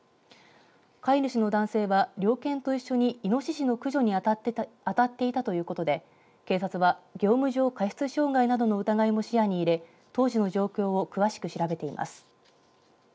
飼い主の男性は猟犬と一緒にいのししの駆除に当たっていたということで警察は業務上過失傷害などの疑いも視野に入れ当時の状況を詳しく調べています。